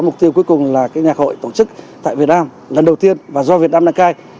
mục tiêu cuối cùng là nhạc hội tổ chức tại việt nam lần đầu tiên và do việt nam đăng cai